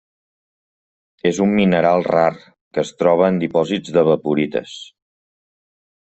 És un mineral rar, que es troba en dipòsits d'evaporites.